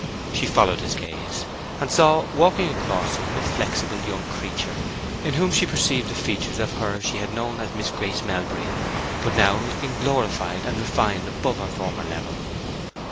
She followed his gaze, and saw walking across to him a flexible young creature in whom she perceived the features of her she had known as Miss Grace Melbury, but now looking glorified and refined above her former level.